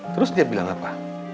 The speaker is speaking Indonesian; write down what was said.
terus dia bilang apa